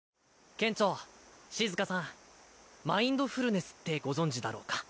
ケンチョシズカさんマインドフルネスってご存じだろうか？